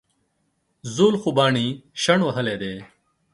زول خوبانۍ شڼ وهلي دي